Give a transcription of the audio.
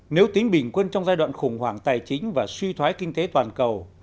nếu tính bình quân trong giai đoạn khủng hoảng tài chính và suy thoái kinh tế toàn cầu